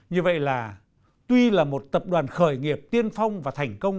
như vậy là tuy là một tập đoàn khởi nghiệp tiên phong và thành công